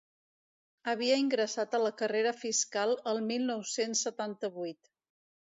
Havia ingressat a la carrera fiscal el mil nou-cents setanta-vuit.